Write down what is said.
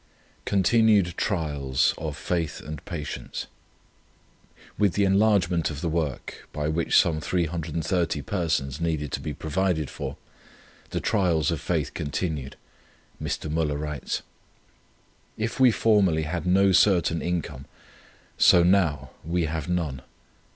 CONTINUED TRIALS OF FAITH AND PATIENCE. With the enlargement of the work, by which some 330 persons needed to be provided for, the trials of faith continued. Mr. Müller writes: "If we formerly had no certain income, so now have we none.